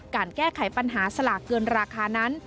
การแก้ไขปัญหาสลากเกินราคานั้น